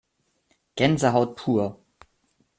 Gänsehaut pur!